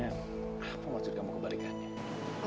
apa maksud kamu kebalikannya